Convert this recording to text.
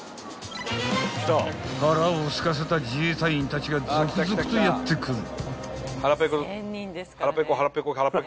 ［腹をすかせた自衛隊員たちが続々とやって来る］